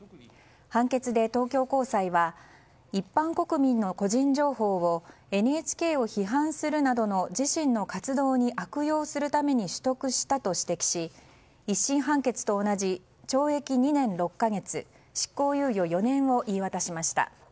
判決で東京高裁は一般国民の個人情報をＮＨＫを批判するなどの自身の活動に悪用するために取得したと指摘し１審判決と同じ懲役２年６か月執行猶予４年を言い渡しました。